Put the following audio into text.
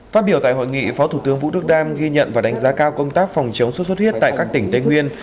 phát biểu tại hội nghị phó thủ tướng vũ đức đam ghi nhận và đánh giá cao công tác phòng chống sốt xuất huyết tại các tỉnh tây nguyên